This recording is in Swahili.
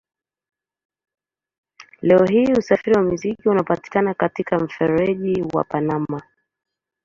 Leo hii usafiri wa mizigo unapita katika mfereji wa Panama.